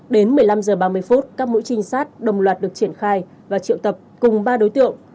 đến một mươi năm h ba mươi các mũi trinh sát đồng loạt được triển khai và triệu tập cùng ba đối tượng